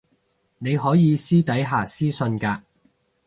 你可以私底下私訊嘅